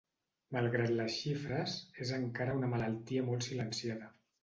Malgrat les xifres, és encara una malaltia molt silenciada.